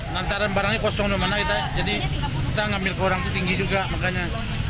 lantaran barangnya kosong dimana kita jadi kita ngambil ke orang itu tinggi juga makanya